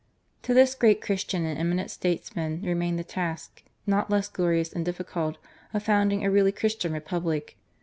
To this great Christian and eminent statesman aoo GARCIA MORENO. remained the task, not less glorious and difficult, of'* founding a really Christian Republic.